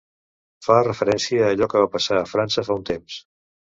Fa referència a allò que va passar a França fa un temps.